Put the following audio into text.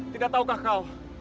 tidak tahukah kau